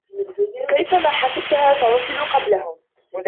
كيفما حسبتها، سنصل قبلهم.